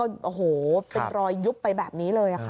เป็นรอยยุบไปแบบนี้เลย